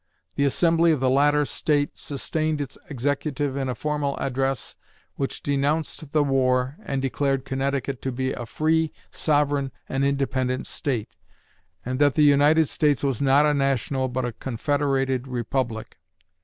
The Assembly of the latter State sustained its Executive in a formal address which denounced the war and declared Connecticut to be a free, sovereign, and independent State, and that the United States was not a national but a confederated republic.